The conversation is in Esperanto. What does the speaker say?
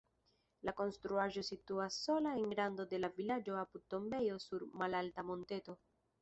La konstruaĵo situas sola en rando de la vilaĝo apud tombejo sur malalta monteto.